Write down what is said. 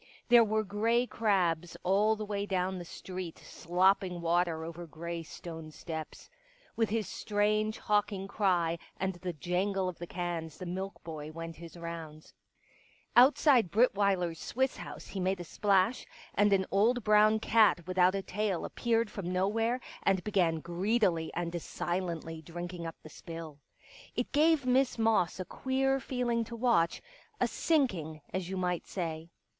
There were grey crabs all the way down the street slopping water over grey stone steps. With his strange, hawking cry and the jangle of the cans the milk boy went his rounds. Outside Brittweiler's Swiss House he made a splash, and an old brown cat without a tail appeared from nowhere, and began greedily and silently drinking up the spill. It gave Miss Moss a queer feeling to watch — a sinking — as you might say.